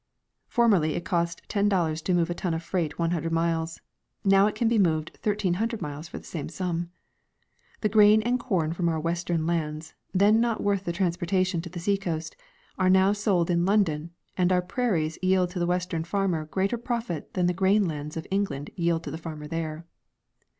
Formerly it cost ten dollars to move a ton of freight one hundred miles ; now it can be moved thirteen hundred miles for the same sum. The grain and corn . from our western lands, then not worth the transportation to the sea coast, are now sold in London, and our prairies yield to the western farmer greater profit than the grain lands of England yield to the farmer there.